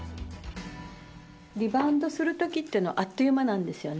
リバウンドするときっていうのはあっという間なんですよね。